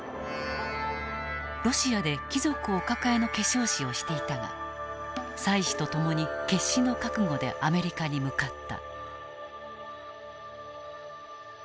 ロシアで貴族お抱えの化粧師をしていたが妻子と共に決死の覚悟でアメリカに向かった。